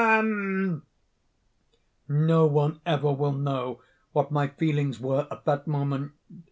_' "No one ever will know what my feelings were at that moment.